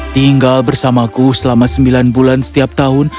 tinggal bersamaku selama sembilan bulan setiap tahun